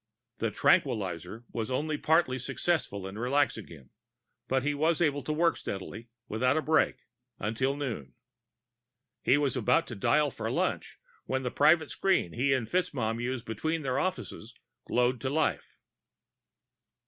The tranquilizer was only partly successful in relaxing him, but he was able to work steadily, without a break, until noon. He was about to dial for lunch when the private screen he and FitzMaugham used between their offices glowed into life.